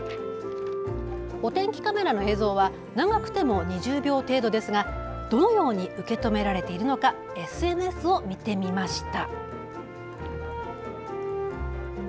お天気カメラの映像は長くても２０秒程度ですがどのように受け止められているのかＳＮＳを見てみました。